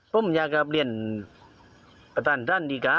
ผมอยากเรียนประตานสั้นดีกว่า